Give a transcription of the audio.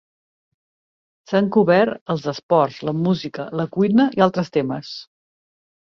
S'han cobert els esports, la música, la cuina i altres temes